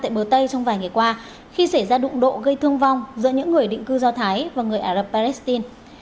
tại bờ tây trong vài ngày qua khi xảy ra đụng độ gây thương vong giữa những người định cư do thái và người ả rập palestine